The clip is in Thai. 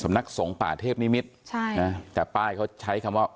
นักสงฆ์ป่าเทพนิมิตรใช่นะแต่ป้ายเขาใช้คำว่า